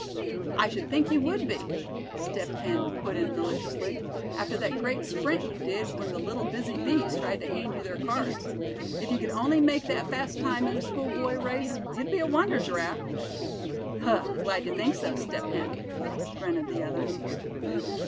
"I should think you would be," Step Hen put in, maliciously; "after that great sprint you did when the little busy bees tried to hand you their cards. If you could only make that fast time in a schoolboy race, you'd be a wonder, Giraffe." "Huh! glad you think so, Step Hen," grunted the other.